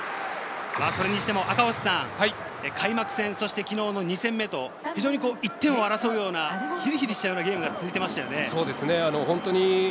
開幕戦、そして昨日の２戦目と１点を争うようなヒリヒリしたゲームが続いていましたね。